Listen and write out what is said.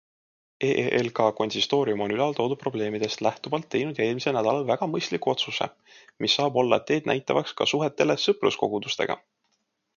EELK konsistoorium on ülal toodud probleemidest lähtuvalt teinud eelmisel nädalal väga mõistliku otsuse, mis saab olla teednäitavaks ka suhetele sõpruskogudustega.